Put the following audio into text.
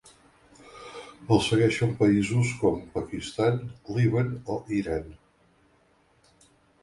El segueixen països com Pakistan, Líban o Iran.